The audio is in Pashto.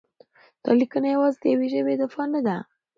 دا لیکنه یوازې د یوې ژبې دفاع نه ده؛